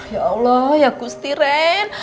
ya allah ya gusti ren